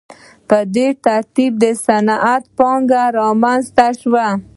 په دې ترتیب صنعتي پانګه رامنځته شوه.